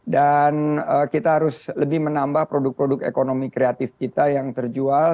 dan kita harus lebih menambah produk produk ekonomi kreatif kita yang terjual